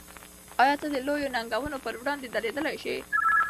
آیا ته د لویو ننګونو پر وړاندې درېدلی شې؟